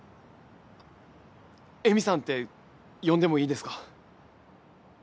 恵美さんって呼んでもいいですか？